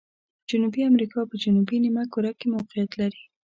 جنوبي امریکا په جنوبي نیمه کره کې موقعیت لري.